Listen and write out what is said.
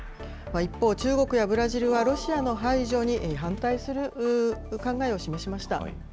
一方、中国やブラジルは、ロシアの排除に反対する考えを示しました。